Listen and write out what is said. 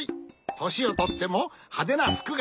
としをとってもはでなふくがすき！